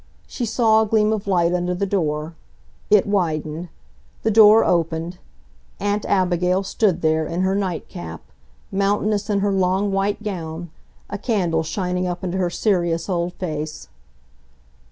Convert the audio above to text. She saw a gleam of light under the door. It widened; the door opened. Aunt Abigail stood there, in her night cap, mountainous in her long white gown, a candle shining up into her serious old face.